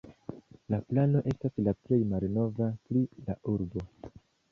La plano estas la plej malnova pri la urbo.